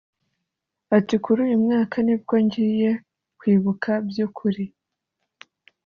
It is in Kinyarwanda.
Ati “kuri uyu mwaka ni bwo ngiye kwibuka by’ukuri